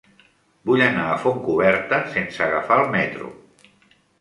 Vull anar a Fontcoberta sense agafar el metro.